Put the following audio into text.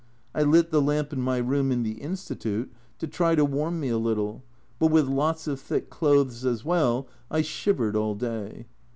I lit the lamp in my room in the Institute to try to warm me a little, but with lots of thick clothes as well, I shivered all day.